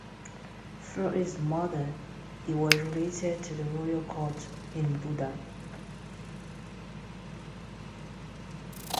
Through his mother, he was related to the royal court in Buda.